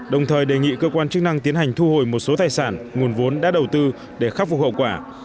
đồng thời đề nghị cơ quan chức năng tiến hành thu hồi một số tài sản nguồn vốn đã đầu tư để khắc phục hậu quả